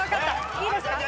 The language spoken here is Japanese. いいですか？